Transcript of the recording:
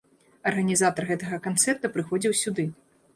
Арганізатар гэтага канцэрта прыходзіў сюды.